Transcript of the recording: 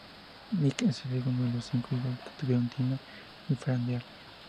Mick es el segundo de los cinco hijos que tuvieron Tina y Frank Deal.